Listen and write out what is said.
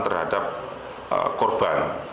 yang tidak korban